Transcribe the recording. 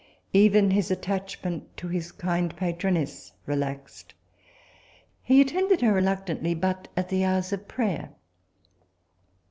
Even his attachment to his kind patroness relaxed. He attended her reluctantly but at the hours of prayer.